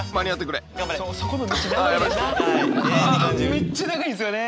めっちゃ長いんですよね！